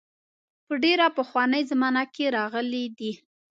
په ډېره پخوانۍ زمانه کې راغلي دي.